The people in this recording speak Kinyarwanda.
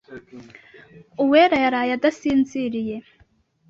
Uwera yaraye adasinziriye.